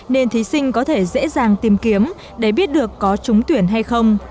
nên thí sinh có thể dễ dàng tìm kiếm để biết được có trúng tuyển hay không